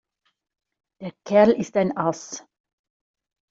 Der Kerl ist ein Ass.